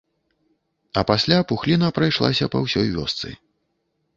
А пасля пухліна прайшлася па ўсёй вёсцы.